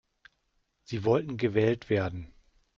Sie wollten gewählt werden.